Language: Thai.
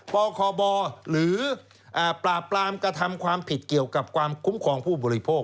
ปคบหรือปราบปรามกระทำความผิดเกี่ยวกับความคุ้มครองผู้บริโภค